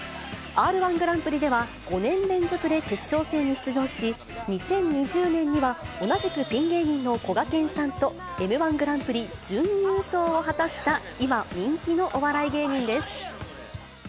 Ｒー１グランプリでは５年連続で決勝戦に出場し、２０２０年には、同じくピン芸人のこがけんさんと、Ｍー１グランプリ準優勝を果たした今、人気のお笑い芸人です。